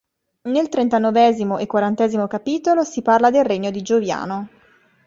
Nel trentanovesimo e quarantesimo capitolo si parla del regno di Gioviano.